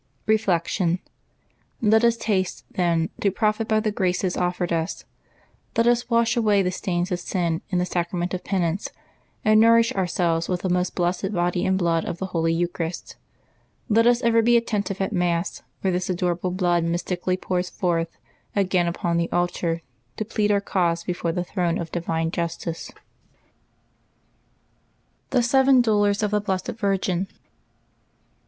Reflection. — Let us haste, then, to profit by the graces offered us. Let us wash away the stains of sin in the Sacrament of Penance, and nourish ourselves with the most blessed body and blood of the holy Eucharist. Let us ever be attentive at Mass, where this adorable blood mystically pours forth again upon the altar to plead our cause before the throne of divine justice. 8 LIVE8 OF THE SAINTS THE SEVEN DOLORS OF THE BLESSED VIRGIN.